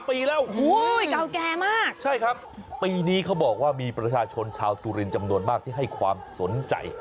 ปีแล้วโอ้โหเก่าแก่มากใช่ครับปีนี้เขาบอกว่ามีประชาชนชาวสุรินทร์จำนวนมากที่ให้ความสนใจ